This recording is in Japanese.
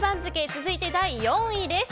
続いて、第４位です。